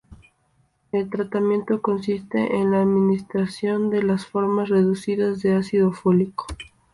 El tratamiento consiste en la administración de las formas reducidas de ácido fólico.